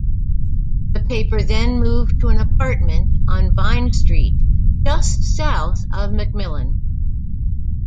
The paper then moved to an apartment on Vine Street just south of McMillan.